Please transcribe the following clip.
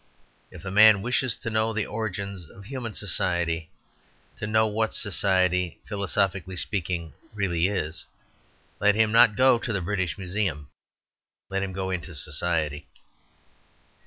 If a man wishes to know the origin of human society, to know what society, philosophically speaking, really is, let him not go into the British Museum; let him go into society.